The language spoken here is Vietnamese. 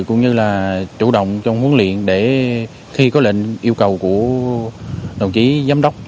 cũng như là chủ động trong huấn luyện để khi có lệnh yêu cầu của đồng chí giám đốc